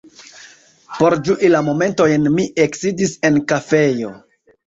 Por ĝui la momentojn mi eksidis en kafejo.